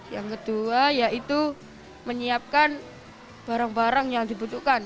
yang kedua yaitu menyiapkan barang barang yang dibutuhkan